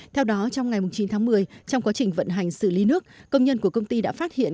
theo đó trong ngày chín tháng một mươi trong quá trình vận hành xử lý nước công nhân của công ty đã phát hiện